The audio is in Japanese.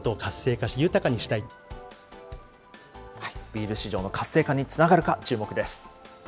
ビール市場の活性化につながるか、注目です。